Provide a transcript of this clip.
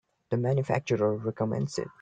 The manufacturer recommends it.